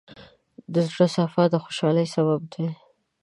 د زړۀ صفا د خوشحالۍ سبب دی.